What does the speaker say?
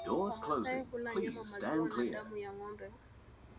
Wamasai hula nyama maziwa na damu ya ngombe